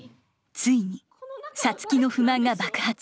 ついにサツキの不満が爆発。